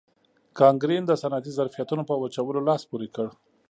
کانکرین د صنعتي ظرفیتونو په وچولو لاس پورې کړ.